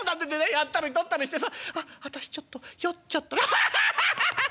やったり取ったりしてさ『あっ私ちょっと酔っちゃった』アハハハハハッ！